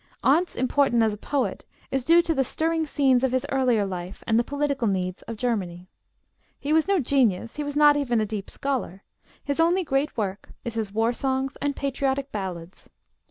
Arndt's importance as a poet is due to the stirring scenes of his earlier life and the political needs of Germany. He was no genius. He was not even a deep scholar. His only great work is his war songs and patriotic ballads.